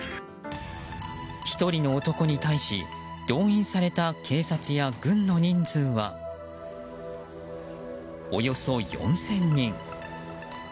１人の男に対し動員された警察や軍の人数はおよそ４０００人。